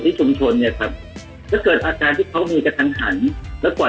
ชุมชนเนี่ยครับถ้าเกิดอาการที่เขามีกระทันหันแล้วกว่า